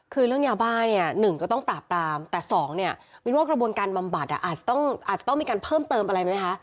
คือเรื่องยาบ้าเนี่ย๑ก็ต้องปราบปรามแต่สองเนี่ยมินว่ากระบวนการบำบัดอาจจะต้องมีการเพิ่มเติมอะไรไหมคะ